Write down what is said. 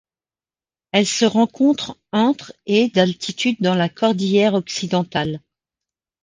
Elle se rencontre entre et d'altitude dans la cordillère Occidentale.